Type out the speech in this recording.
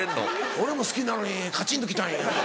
俺も好きなのにカチンと来たんや。